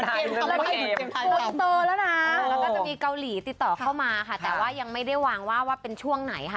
แล้วก็จะมีเกาหลีติดต่อเข้ามาค่ะแต่ว่ายังไม่ได้วางว่าว่าเป็นช่วงไหนค่ะ